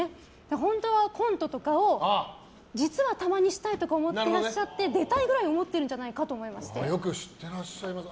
本当はコントとかを実は、たまにしたいとか思っていらっしゃって出たいくらいよく知っていらっしゃいますね。